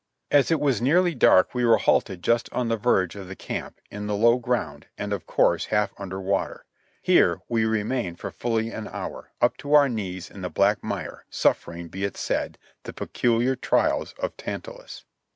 As it was nearly dark we were halted just on the verge of the camp, in the low ground, and of course half under water. Here we remained for fully an hour, up to our knees in the black mire, suffering, be it said, the peculiar trials of Tantalus.